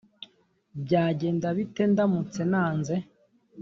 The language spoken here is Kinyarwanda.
byagenda bite ndamutse nanze